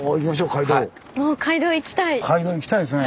街道行きたいですね。